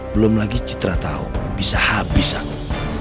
belum lagi citra tahu bisa habis aku